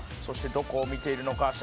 そしてどこを見ているのか」